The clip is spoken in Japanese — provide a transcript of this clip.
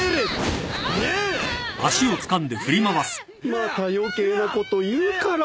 また余計なこと言うから。